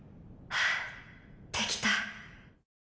できた！